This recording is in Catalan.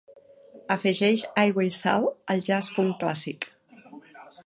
afegeix aigua i sal al jazz funk clàssic